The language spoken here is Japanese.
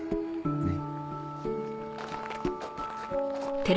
ねっ。